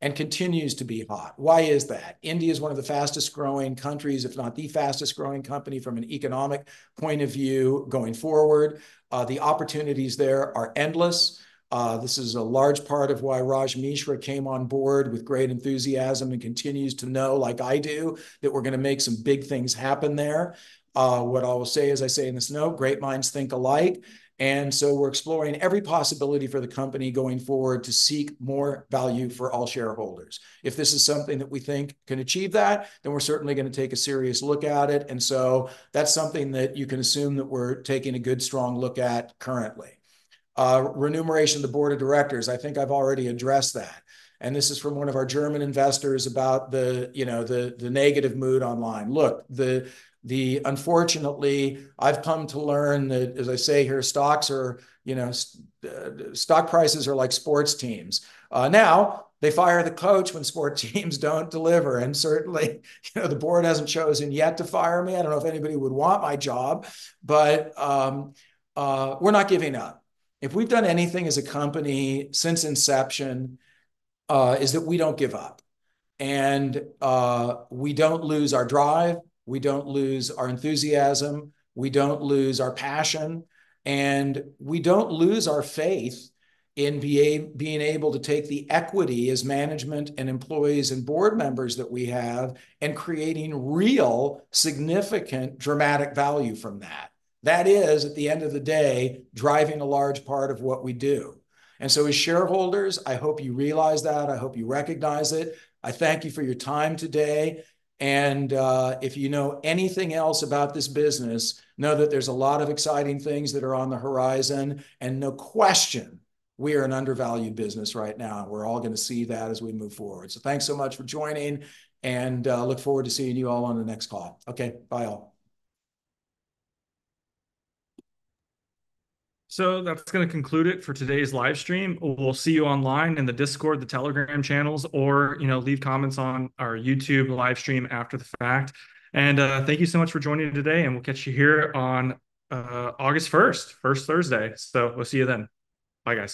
and continues to be hot. Why is that? India is one of the fastest growing countries, if not the fastest growing company from an economic point of view going forward. The opportunities there are endless. This is a large part of why Raj Mishra came on board with great enthusiasm and continues to know, like I do, that we're going to make some big things happen there. What I will say, as I say in this note, great minds think alike. And so we're exploring every possibility for the company going forward to seek more value for all shareholders. If this is something that we think can achieve that, then we're certainly going to take a serious look at it. That's something that you can assume that we're taking a good strong look at currently. Remuneration of the board of directors, I think I've already addressed that. This is from one of our German investors about the negative mood online. Look, unfortunately, I've come to learn that, as I say here, stocks are stock prices are like sports teams. Now, they fire the coach when sports teams don't deliver. Certainly, the board hasn't chosen yet to fire me. I don't know if anybody would want my job, but we're not giving up. If we've done anything as a company since inception is that we don't give up. We don't lose our drive. We don't lose our enthusiasm. We don't lose our passion. We don't lose our faith in being able to take the equity as management and employees and board members that we have and creating real, significant, dramatic value from that. That is, at the end of the day, driving a large part of what we do. So as shareholders, I hope you realize that. I hope you recognize it. I thank you for your time today. If you know anything else about this business, know that there's a lot of exciting things that are on the horizon. No question, we are an undervalued business right now. We're all going to see that as we move forward. Thanks so much for joining, and I look forward to seeing you all on the next call. Okay, bye all. That's going to conclude it for today's live stream. We'll see you online in the Discord, the Telegram channels, or leave comments on our YouTube live stream after the fact. Thank you so much for joining today, and we'll catch you here on August 1st, first Thursday. We'll see you then. Bye guys.